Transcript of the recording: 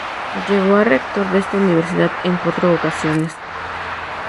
Llegó a rector de esta universidad en cuatro ocasiones.